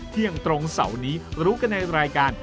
เที่ยงตรงเสาร์นี้รู้กันในรายการ